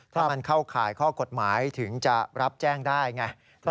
ถ้ามันเข้าข่ายข้อกฎหมายถึงจะรับแจ้งได้ไง